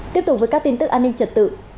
tiếp tục với các tin tức an ninh trật tự